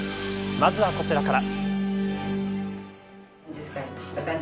まずはこちらから。